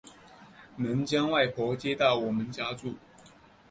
能将外婆接到我们家住